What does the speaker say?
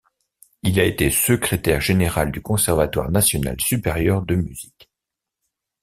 Il a été secrétaire général du Conservatoire national supérieur de musique.